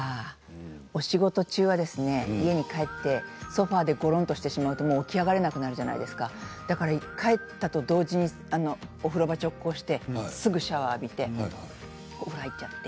お仕事中は家に帰ってソファーでごろんとしてしまうと起き上がれなくなるじゃないですか帰ったと同時にお風呂場に直行してすぐにシャワーを浴びてお風呂に入っちゃって。